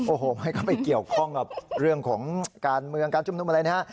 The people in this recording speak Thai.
โอ้โหไม่เข้าไปเกี่ยวข้องกับเรื่องของการเมืองการชุมนุมอะไรนะฮะ